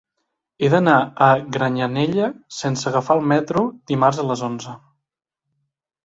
He d'anar a Granyanella sense agafar el metro dimarts a les onze.